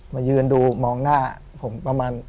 มายืนดูมองหน้าผมประมาณ